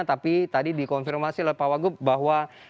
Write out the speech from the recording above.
tapi tadi dikonfirmasi oleh pak wagub bahwa